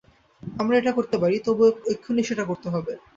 আমরা এটা করতে পারি, তবে এক্ষুণি সেটা করতে হবে।